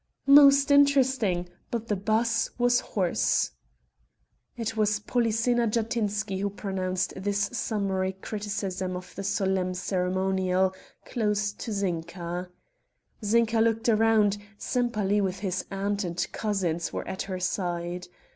"Most interesting, but the bass was hoarse!" It was Polyxena Jatinsky who pronounced this summary criticism of the solemn ceremonial, close to Zinka. Zinka looked round; Sempaly with his aunt and cousins were at her side.